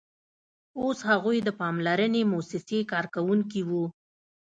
اوس هغوی د پاملرنې موسسې کارکوونکي وو